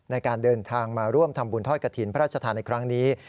ในการเดินทางมาร่วมทำบุญทอดกระถิ่นพระราชทานในครั้งนี้